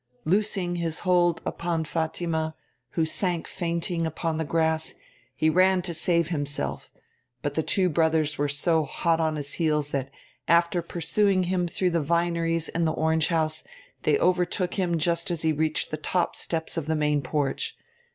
Loosing his hold upon Fatima, who sank fainting upon the grass, he ran to save himself, but the two brothers were so hot on his heels that, after pursuing him through the vineries and the orange house, they overtook him just as he reached the steps of the main porch.